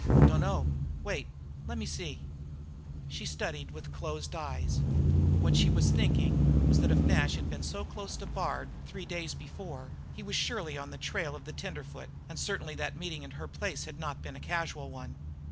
"Dunno. Wait; lemme see." She studied, with closed eyes. What she was thinking was that if Nash had been so close to Bard three days before he was surely on the trail of the tenderfoot and certainly that meeting in her place had not been a casual one.